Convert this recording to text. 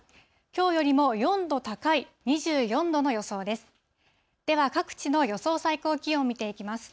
きょうよりも４度高い２４度の予想です。